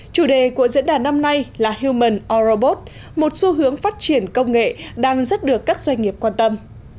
chủ đề của diễn đàn năm nay là human or robot một xu hướng phát triển công nghệ đang rất được các doanh nghiệp quan tâm